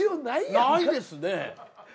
ないですね。